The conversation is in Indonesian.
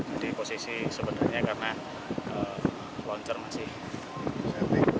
jadi posisi sebenarnya karena launcher masih